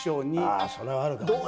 ああそれはあるかもしれない。